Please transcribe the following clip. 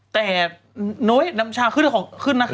แต่น้อยน้ำชาขึ้นของขึ้นนะคะ